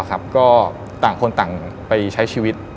ก็ต่างคนต่างไปใช้ชีวิต